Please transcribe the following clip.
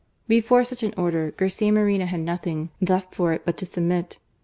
Before such an order, Garcia Moreno had nothing left for it but to submit.